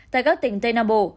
tại các tỉnh tây nam bộ